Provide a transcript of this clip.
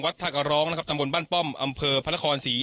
วัดทักะร้องนะครับตรงบ้านป้อมอำเผอร์พระละครสี